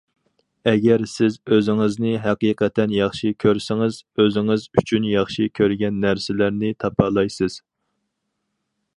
ئەگەر سىز ئۆزىڭىزنى ھەقىقەتەن ياخشى كۆرسىڭىز، ئۆزىڭىز ئۈچۈن ياخشى كۆرگەن نەرسىلەرنى تاپالايسىز.